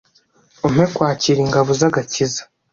Umpe kwakira ingabo z’agakiza